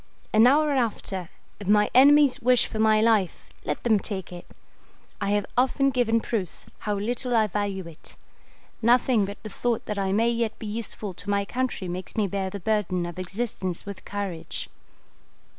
An hour after, if my enemies wish for my life, let them take it. I have often given proofs how little I value it. Nothing but the thought that I may yet be useful to my country makes me bear the burden of existence with courage.